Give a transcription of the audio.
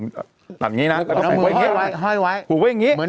เนี้ยอ่ะนั่นงี้น่ะเอามือไว้ไว้ผูกไว้อย่างเงี้ยเหมือน